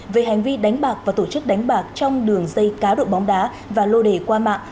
về hành vi đánh bạc và tổ chức đánh bạc trong đường dây cá độ bóng đá và lô đề qua mạng